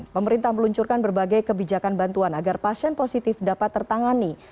pemerintah meluncurkan berbagai kebijakan bantuan agar pasien positif dapat tertangani